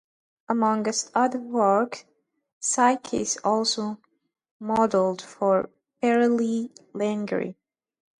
Amongst other work, Sykes also modelled for Berlei lingerie.